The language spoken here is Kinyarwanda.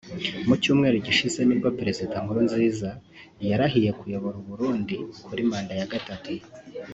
Mu cyumweru gishize nibwo Perezida Nkurunziza yarahiye kuyobora u Burundi kuri manda ya gatatu